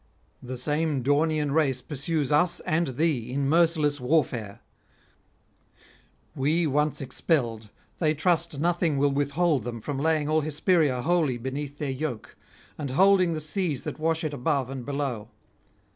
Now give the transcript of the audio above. The same Daunian race pursues us and thee in merciless warfare; we once expelled, they trust nothing will withhold them from laying all Hesperia wholly beneath their yoke, and holding the seas that wash it above and below.